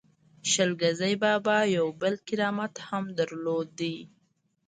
شل ګزی بابا یو بل کرامت هم درلود.